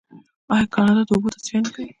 آیا کاناډا د اوبو تصفیه نه کوي؟